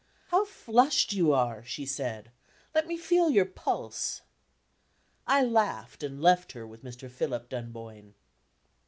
"How flushed you are!" she said. "Let me feel your pulse." I laughed, and left her with Mr. Philip Dunboyne.